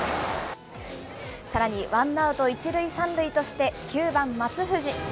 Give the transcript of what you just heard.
さらにワンアウト１塁３塁として、９番松藤。